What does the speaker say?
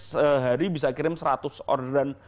sehari bisa kirim seratus orderan